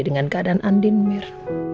dengan keadaan andin mir